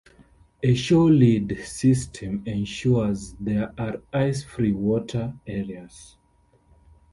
A shore lead system ensures there are ice-free water areas.